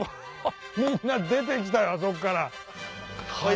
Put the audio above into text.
みんな出てきたよあそこから。